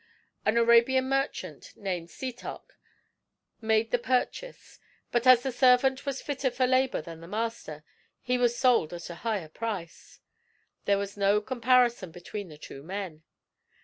An Arabian merchant, named Setoc, made the purchase; but as the servant was fitter for labor than the master, he was sold at a higher price. There was no comparison between the two men.